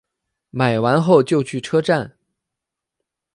买完后就去车站